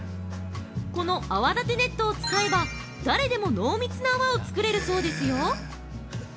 この泡だてネットを使えば、誰でも濃密な泡を作れるそうですよ！